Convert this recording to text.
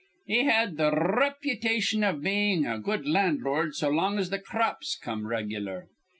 "He had th' r reputation iv bein' a good landlord so long as th' crops come regular.